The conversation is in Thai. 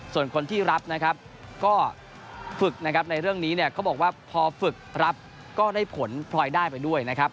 ส่วนคนที่รับนะครับก็ฝึกนะครับในเรื่องนี้เนี่ยเขาบอกว่าพอฝึกรับก็ได้ผลพลอยได้ไปด้วยนะครับ